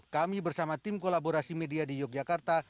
kami bersama tim kolaborasi media di yogyakarta